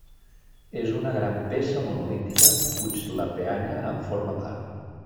És una gran peça monolítica puix la peanya en forma part.